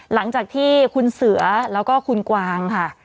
หลังจากที่คุณเสือแล้วก็คุณกวางค่ะ